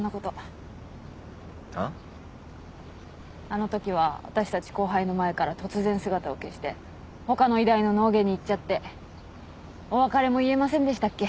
あのときは私たち後輩の前から突然姿を消して他の医大の脳外に行っちゃってお別れも言えませんでしたっけ。